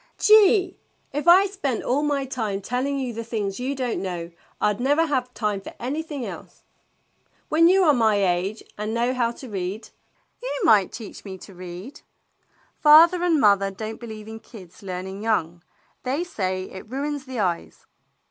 "Gee! If I spent all my time telling you the things you don't know, I 'd never have time for anything else. When you are my age and know how to read —" "You might teach me to read." " Father and mother don't believe in kids learn ing young. They say it ruins the eyes."